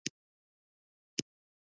اقتصادي وده کرار کرار رامنځته کیږي